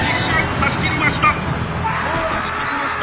差し切りました。